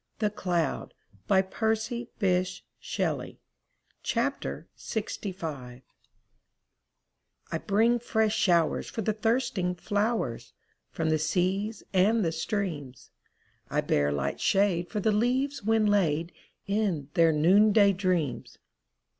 THE CLOUD Percy Bysshe Shelley I bring fresh showers for the thirsting flowers. From the seas and the streams; I bear Ught shade for the leaves when laid In their noonday dreams.